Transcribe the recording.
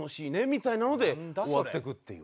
みたいなので終わっていくっていう。